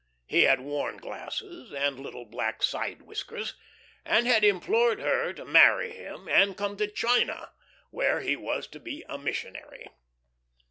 He had worn glasses and little black side whiskers, and had implored her to marry him and come to China, where he was to be a missionary.